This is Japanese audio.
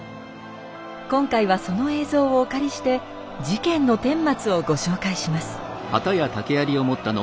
今回はその映像をお借りして事件のてんまつをご紹介します。